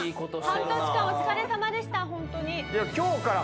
半年間お疲れさまでしたホントに。